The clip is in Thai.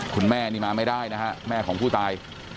คุณแม่นี่มาไม่ได้นะฮะแม่ของผู้ตาย